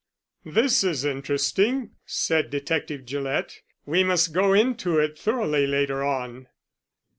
"This is interesting," said Detective Gillett. "We must go into it thoroughly later on."